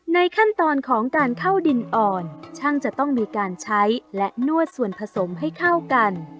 ขั้นตอนของการเข้าดินอ่อนช่างจะต้องมีการใช้และนวดส่วนผสมให้เข้ากัน